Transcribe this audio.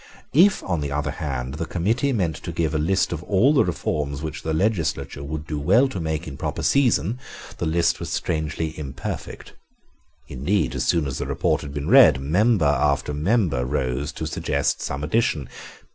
If, on the other hand, the committee meant to give a list of all the reforms which the legislature would do well to make in proper season, the list was strangely imperfect. Indeed, as soon as the report had been read, member after member rose to suggest some addition.